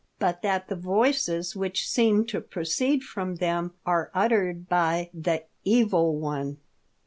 but that the voices which seem to proceed from them are uttered by the Evil One."